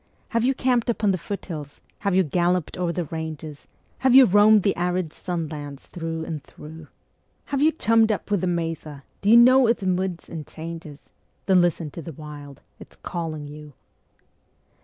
Have you camped upon the foothills, have you galloped o'er the ranges, Have you roamed the arid sun lands through and through? Have you chummed up with the mesa? Do you know its moods and changes? Then listen to the Wild it's calling you.